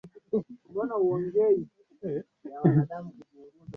Tunaweza kutoa moja ya fursa kubwa zaidi kwa mafanikio ya biashara